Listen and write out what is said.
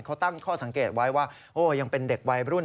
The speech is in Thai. เขาตั้งข้อสังเกตไว้ว่าโอ้ยังเป็นเด็กวัยรุ่น